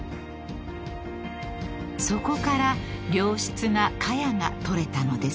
［そこから良質なカヤが採れたのです］